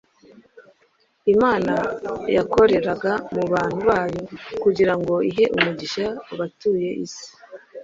Imana yakoreraga mu bantu bayo kugira ngo ihe umugisha abatuye isi.